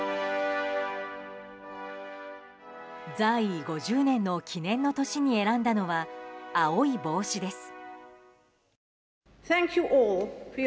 在位５０年の記念の年に選んだのは青い帽子です。